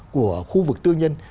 của khu vực tư nhân